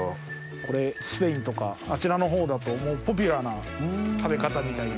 これスペインとかあちらのほうだとポピュラーな食べ方みたいで。